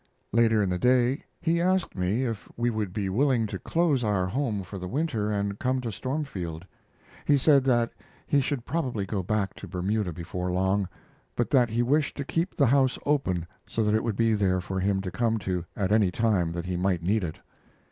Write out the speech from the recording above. Later in the day he asked me if we would be willing to close our home for the winter and come to Stormfield. He said that he should probably go back to Bermuda before long; but that he wished to keep the house open so that it would be there for him to come to at any time that he might need it.